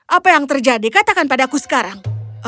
apa yang terjadi katakan padaku sekarang